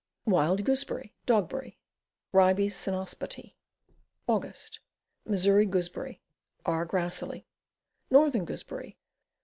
Wild Gooseberry. Dogberry. Ribes Cynosbati. Aug. Missouri Gooseberry. R. gradle. Northern Gooseberry.